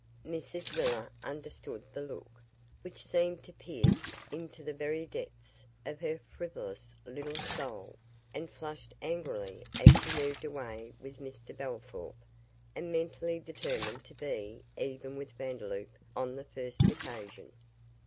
Mrs Riller understood the look, which seemed to pierce into the very depths of her frivolous little soul, and flushed angrily as she moved away with Mr Bellthorp and mentally determined to be even with Vandeloup on the first occasion.